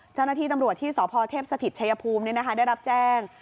เจ้าหน้าที่ตำรวจที่สพเทพสถิตชายภูมิได้รับแจ้ง